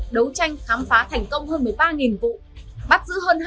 đấu tranh khám phá thành công hơn một mươi ba vụ